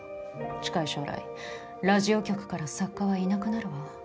近い将来ラジオ局から作家はいなくなるわ。